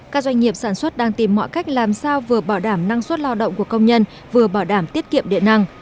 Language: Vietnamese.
các doanh nghiệp sản xuất đang tìm mọi cách làm sao vừa bảo đảm năng suất lao động của công nhân vừa bảo đảm tiết kiệm điện năng